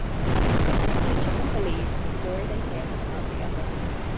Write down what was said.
Each of them believes the story they hear about the other.